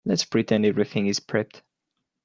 Let's pretend everything is prepped.